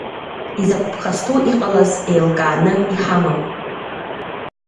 Изакә ԥхасҭоу иҟалаз еилкааны иҳамам.